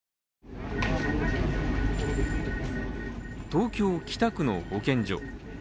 東京・北区の保健所。